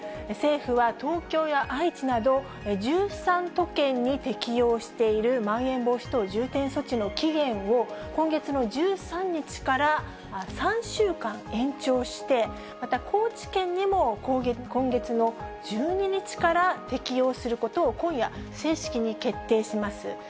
政府は東京や愛知など、１３都県に適用しているまん延防止等重点措置の期限を、今月の１３日から３週間延長して、また高知県にも今月の１２日から適用することを今夜、正式に決定します。